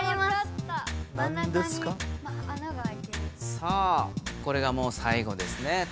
さあこれがもう最後ですね。